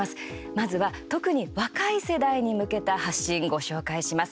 まずは特に若い世代に向けた発信ご紹介します。